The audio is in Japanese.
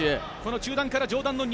中段から上段です。